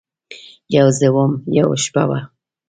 یوه زه وم، یوه شپه وه